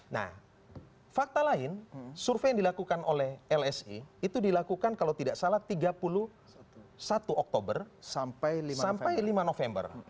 nah fakta lain survei yang dilakukan oleh lsi itu dilakukan kalau tidak salah tiga puluh satu oktober sampai lima november